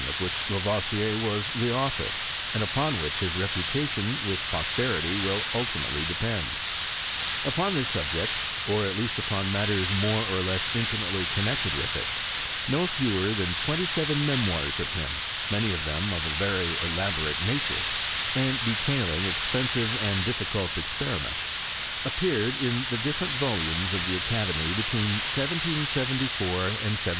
95 Qf which Lavoisier was the author, and upon which his reputation with posterity will ultimately depend. Upon this subject, or at least upon matters more or less intimately connected with it, no fewer thaa twenty seven memoirs of his, many of them of a very elaborate nature, and detailing expensive and difficult experiments, appeared in the different volumes of the academy between 1774 and 1788.